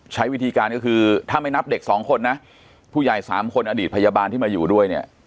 ใช้วิธีการก็คือถ้าไม่นับเด็กสองคนนะผู้ใหญ่สามคนอดีตพยาบาลที่มาอยู่ด้วยเนี่ย